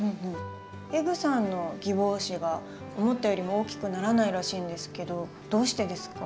エグさんのギボウシは思ったよりも大きくならないらしいんですけどどうしてですか？